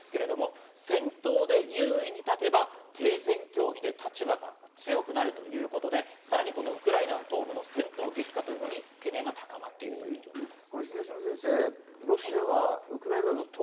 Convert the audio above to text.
ウクライナの交渉団ですが、戦闘で優位に立てば停戦協議で立場が強くなるということで、さらにウクライナ東部の戦闘激化というのに懸念が高まっています。